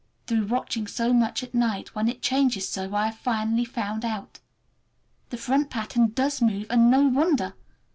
Through watching so much at night, when it changes so, I have finally found out. The front pattern does move—and no wonder!